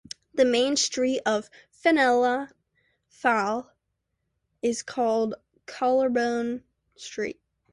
The main street of Fenelon Falls is called Colborne Street.